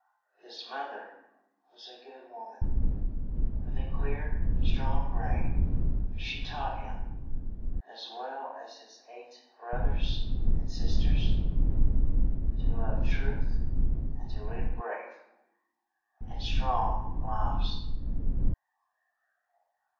His moth er was a good wo man, with a clear, strong brain; she taught him, as well as his eight broth ers and sis ters, to love truth, and to live brave and strong lives.